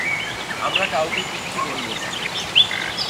আমরা কাউকে কিচ্ছু বলবো না।